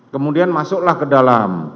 kemudian masuklah ke dalam